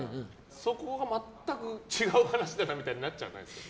そこが全く違う話だなみたいになっちゃわないですか。